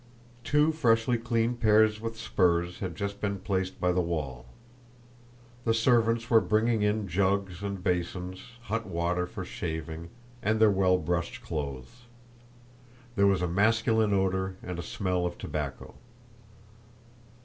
Two freshly cleaned pairs with spurs had just been placed by the wall. The servants were bringing in jugs and basins, hot water for shaving, and their well brushed clothes. There was a masculine odor and a smell of tobacco.